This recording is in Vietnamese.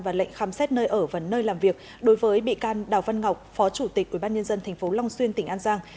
và lệnh khám xét nơi ở và nơi làm việc đối với bị can đào văn ngọc phó chủ tịch ubnd tp long xuyên tỉnh an giang